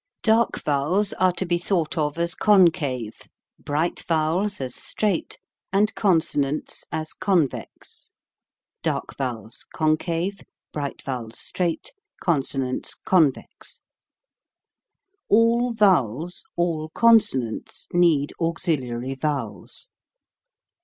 Dark vowels are to be thought of as concave, bright vowels as straight, and consonants as convex. Dark vowels d>, bright vowels , con sonants X. All vowels, all consonants need auxiliary vowels.